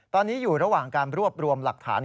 ตอนนี้อยู่ระหว่างการรวบรวมหลักฐาน